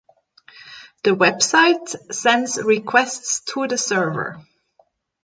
The website sends requests to the server.